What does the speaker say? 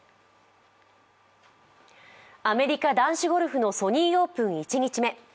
アメリカ男子ゴルフのソニーオープン１日目。